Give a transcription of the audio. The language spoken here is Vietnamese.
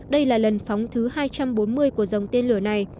đây là lần phóng thứ hai trăm bốn mươi của dòng tên lửa này